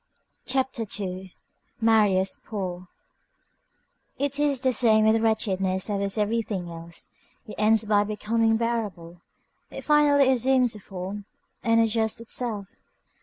CHAPTER II—MARIUS POOR It is the same with wretchedness as with everything else. It ends by becoming bearable. It finally assumes a form, and adjusts itself.